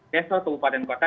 desa atau pembukaan dan kota